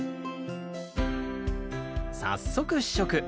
早速試食。